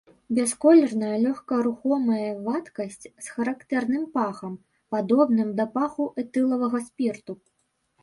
Бясколерная лёгкарухомая вадкасць з характэрным пахам, падобным да паху этылавага спірту.